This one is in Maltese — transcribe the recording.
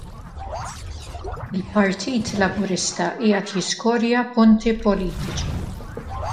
Il-Partit Laburista qiegħed jiskorja punti politiċi.